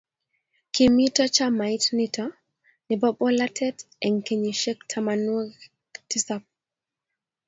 kimito chamait nito nebo bolatet eng' kenyisiek tamanwokik tisap